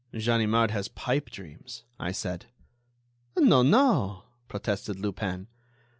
"Ganimard has pipe dreams," I said. "No, no!" protested Lupin.